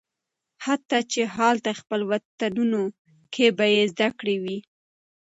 حتی چې هالته خپل وطنونو کې به یې زده کړې وي